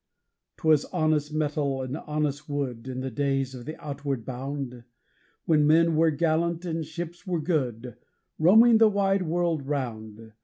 'Twas honest metal and honest wood, in the days of the Outward Bound, When men were gallant and ships were good roaming the wide world round.